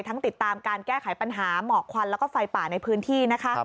ติดตามการแก้ไขปัญหาหมอกควันแล้วก็ไฟป่าในพื้นที่นะคะ